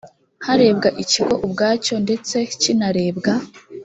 harebwa ikigo ubwacyo ndetse kinarebwa